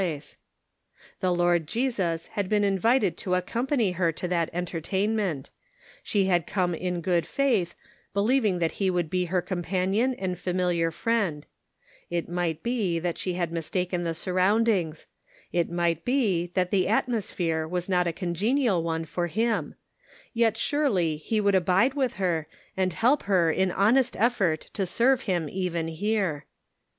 The Lord Jesus had been invited to accompany her to that entertainment ; she had come in good faith, believing that he would be her com panion and familiar friend ; it might be that she had mistaken the surroundings; it might be that the atmosphere was not a congenial one for him ; yet surely he would abide with her, and help her in honest effort to serve him even here.